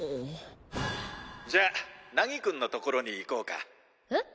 「じゃあ凪くんのところに行こうか」えっ？